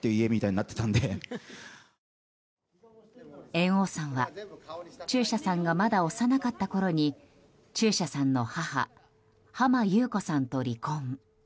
猿翁さんは中車さんがまだ幼かったころに中車さんの母浜木綿子さんと離婚。